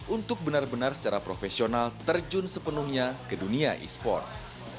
untuk benar benar secara profesional terjun sepenuhnya ke dunia e sport